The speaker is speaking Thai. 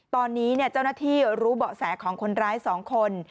ตอนนี้เจ้าหน้าที่รู้เบาะแสของคนร้าย๒คน